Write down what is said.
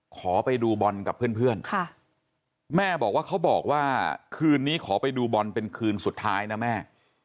ขอไปดูบอลกับเพื่อนแม่บอกว่าเขาบอกว่าคืนนี้ขอไปดูบอลเป็นคืนสุดท้ายนะแม่